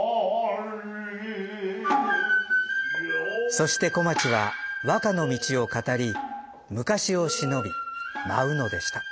そして小町は和歌の道を語り昔をしのび舞うのでした。